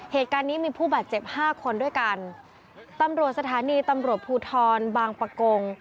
เหตุการณ์นี้มีผู้บาดเจ็บห้าคนด้วยกันตำรวจสถานีตำรวจภูทรบางประกง